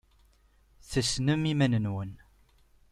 Tessnem iman-nwen.